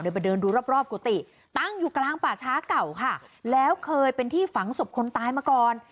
ไปเดินดูรอบรอบกุฏิตั้งอยู่กลางป่าช้าเก่าค่ะแล้วเคยเป็นที่ฝังศพคนตายมาก่อน